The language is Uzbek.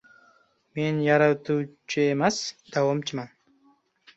— Men yaratuvchi emas, davomchiman